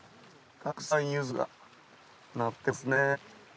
たくさん柚子がなってますね。